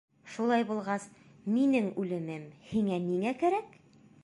Шулай булғас, минең үлемем һиңә ниңә кәрәк?